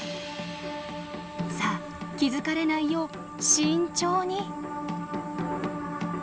さあ気付かれないよう慎重に。